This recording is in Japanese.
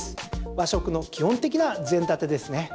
和食の基本的な膳立てですね。